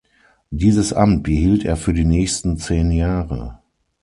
Dieses Amt behielt er für die nächsten zehn Jahre.